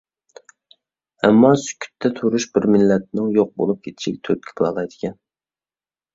ئەمما، سۈكۈتتە تۇرۇش بىر مىللەتنىڭ يوق بولۇپ كېتىشىگە تۈرتكە بولالايدىكەن.